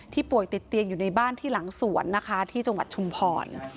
ป่วยติดเตียงอยู่ในบ้านที่หลังสวนนะคะที่จังหวัดชุมพร